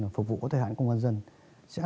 phục vụ có thời hạn công an nhân dân